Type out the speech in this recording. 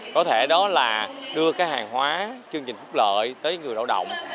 có thể đó là đưa cái hàng hóa chương trình phúc lợi tới người lao động